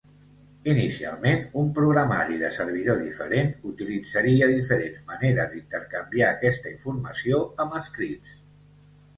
Inicialment, un programari de servidor diferent utilitzaria diferents maneres d'intercanviar aquesta informació amb scripts.